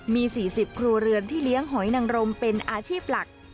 มี๔๐ครัวเรือนที่เลี้ยงหอยนังรมเป็นอาชีพหลัก